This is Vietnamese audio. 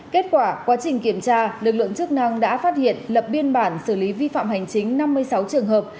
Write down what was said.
kết quả quá trình kiểm tra lực lượng chức năng đã phát hiện lập biên bản xử lý vi phạm hành chính năm mươi sáu trường hợp